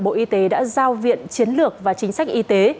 bộ y tế đã giao viện chiến lược và chính sách y tế